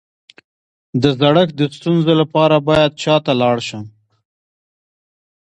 د زړښت د ستونزو لپاره باید چا ته لاړ شم؟